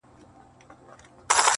بيا دادی پخلا سوه ،چي ستا سومه,